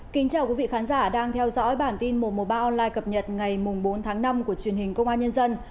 kính chào quý vị khán giả đang theo dõi bản tin một trăm một mươi ba online cập nhật ngày bốn tháng năm của truyền hình công an nhân dân